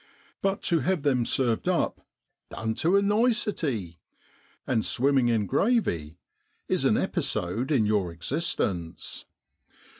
But to have them served up < dun tu a nicety,' and swimming in gravy, is an episode in your existence.